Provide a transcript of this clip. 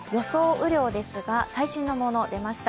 雨量ですが、最新のもの出ました。